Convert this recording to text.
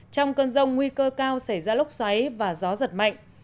trong cơn rông nguy cơ cao xảy ra lốc xoáy và gió giật mạnh